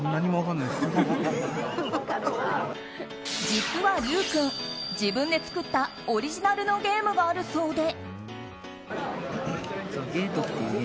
実はリュウ君自分で作ったオリジナルのゲームがあるそうで。